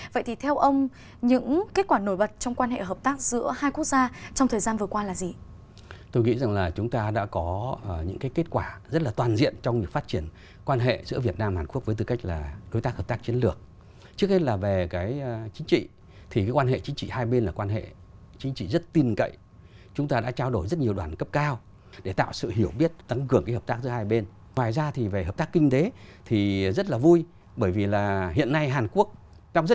vậy thì theo ông những kết quả nổi bật trong quan hệ hợp tác giữa hai quốc gia trong thời gian vừa qua là gì